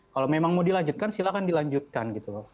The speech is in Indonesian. kalau memang mau dilanjutkan silahkan dilanjutkan gitu loh